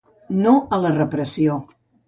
No a la repressió.